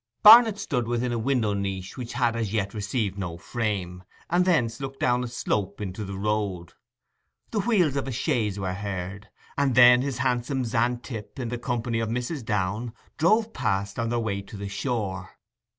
Barnet stood within a window niche which had as yet received no frame, and thence looked down a slope into the road. The wheels of a chaise were heard, and then his handsome Xantippe, in the company of Mrs. Downe, drove past on their way to the shore.